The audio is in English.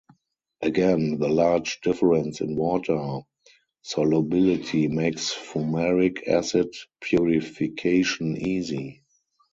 Again, the large difference in water solubility makes fumaric acid purification easy.